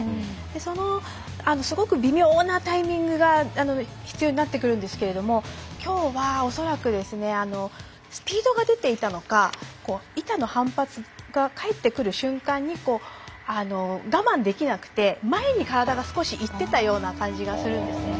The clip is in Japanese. そのすごく微妙なタイミングが必要になってくるんですけれどもきょうは、恐らくスピードが出ていたのか板の反発が返ってくる瞬間に我慢できなくて前に体が少し行ってたような感じがするんですね。